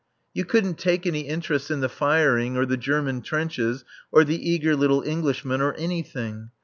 You couldn't take any interest in the firing or the German trenches, or the eager little Englishman, or anything.